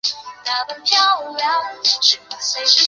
充当日本军队的性奴隶